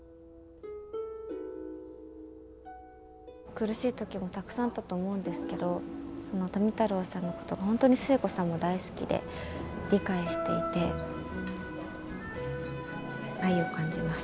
苦しい時もたくさんあったと思うんですけど富太郎さんのことが本当に壽衛さんも大好きで理解していて愛を感じます。